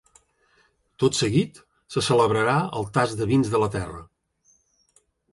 Tot seguit, se celebrarà el tast de vins de la terra.